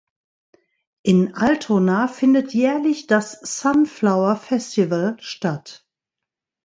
In Altona findet jährlich das "Sunflower Festival" statt.